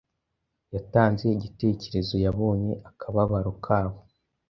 yatanze igitekerezo Yabonye akababaro kabo